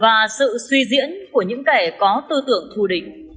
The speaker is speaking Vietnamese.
và sự suy diễn của những kẻ có tư tưởng thù địch